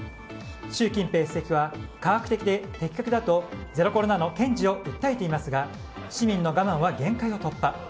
習近平主席は、科学的で的確だとゼロコロナの堅持を訴えていますが市民の我慢は限界を突破。